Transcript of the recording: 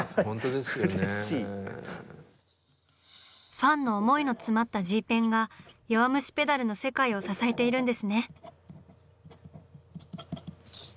ファンの思いの詰まったＧペンが「弱虫ペダル」の世界を支えているんですね。